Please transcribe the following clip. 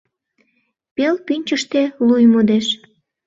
Пел пӱнчыштӧ луй модеш.